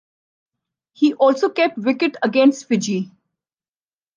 He also kept wicket against Fiji.